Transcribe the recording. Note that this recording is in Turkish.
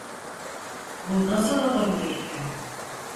Bu nasıl olabilir ki?